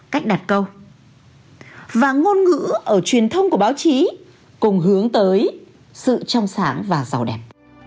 cách đặt câu và ngôn ngữ ở truyền thông của báo chí cùng hướng tới sự trong sáng và giàu đẹp